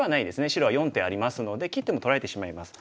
白は４手ありますので切っても取られてしまいます。